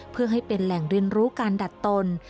เพื่อให้เป็นแหล่งเรียนรู้การดัดตน